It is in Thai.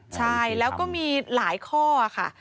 ใช่แล้วก็มีหลายข้อค่ะ